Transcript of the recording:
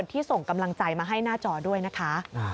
ที่ส่งกำลังใจมาให้หน้าจอด้วยนะคะ